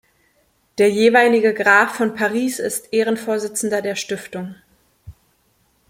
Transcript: Der jeweilige Graf von Paris ist Ehrenvorsitzender der Stiftung.